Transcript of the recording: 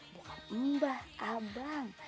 bukan mbah abang